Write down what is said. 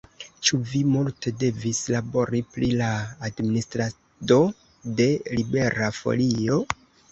Ĉu vi multe devis labori pri la administrado de Libera Folio?